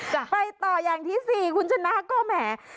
ไปต่ออย่างที่สี่คุณชนะก็แหม